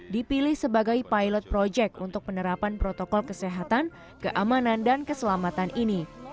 dipilih sebagai pilot project untuk penerapan protokol kesehatan keamanan dan keselamatan ini